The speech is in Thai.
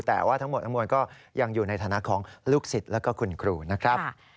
แต่ว่าทั้งหมดทั้งมวลก็ยังอยู่ในฐานะของลูกศิษย์แล้วก็คุณครูนะครับ